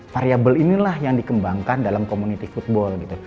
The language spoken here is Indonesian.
variable inilah yang dikembangkan dalam komuniti futbol gitu